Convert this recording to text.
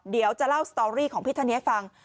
เดี๋ยวจะเล่าสตอรี่ของพี่ท่านนี้ให้ฟัง